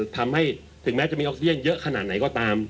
ทำให้ถึงแม้จะมีออกเซียนเยอะขนาดไหนก็ตาม